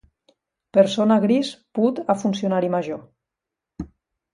Persona gris put a funcionari major.